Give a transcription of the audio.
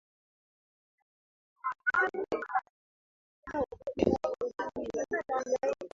Mchele Kilo moja unatosha pishi la watu nne